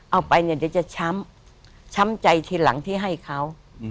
เอาไปเนี่ยเดี๋ยวจะช้ำช้ำใจทีหลังที่ให้เขา